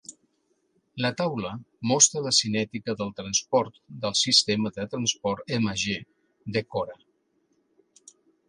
La taula mostra la cinètica del transport del sistema de transport Mg de CorA.